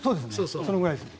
そのぐらいですね。